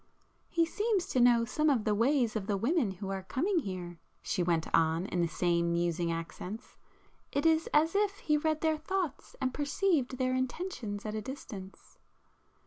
"He seems to know some of the ways of the women who are coming here—" she went on in the same musing accents; "It is as if he read their thoughts, and perceived their intentions at a distance."